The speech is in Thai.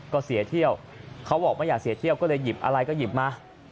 ก็เสียเที่ยวเขาบอกไม่อยากเสียเที่ยวก็เลยหยิบอะไรก็หยิบมา